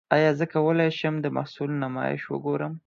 ایا زه کولی شم د محصول نمایش وګورم؟